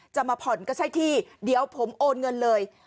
จะมาผ่อนก็ใช่ที่เดี๋ยวผมโอนเงินเลย